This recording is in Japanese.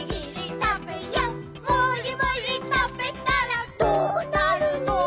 「もりもりたべたらどなるの？」